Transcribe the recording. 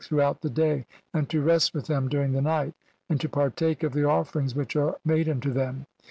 throughout the day, and to rest 'with them during the night, and to partake of the 'offerings which are made unto them.